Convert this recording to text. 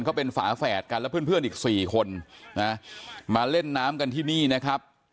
เขาเป็นฝาแฝดกันแล้วเพื่อนอีก๔คนนะมาเล่นน้ำกันที่นี่นะครับ